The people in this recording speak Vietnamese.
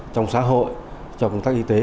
trong xã hội trong công tác y tế